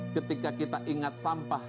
ketika kita ingat sampah